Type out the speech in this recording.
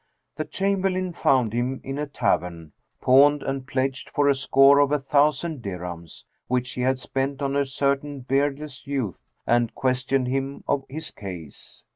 The chamberlain found him in a tavern, pawned and pledged for a score of a thousand dirhams, which he had spent on a certain beardless youth, and questioned him of his case.